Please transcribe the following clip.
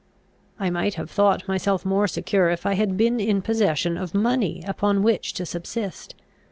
I might have thought myself more secure if I had been in possession of money upon which to subsist.